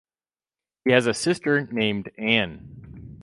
He has a sister named Anne.